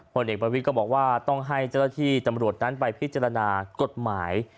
ผลเอกประวิทย์ก็บอกว่าต้องให้เจ้าหน้าที่ตำรวจนั้นไปพิจารณากฎหมาย